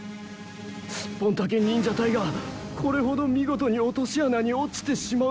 スッポンタケ忍者隊がこれほどみごとに落としあなに落ちてしまうとは。